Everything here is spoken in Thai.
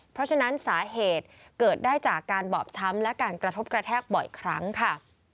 เพราะฉะนั้นสาเหตุเกิดได้จากการบอบช้ำและการกระทบกระแทกบ่อยครั้งค่ะ